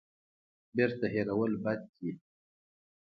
بیرته هېرول بد دی.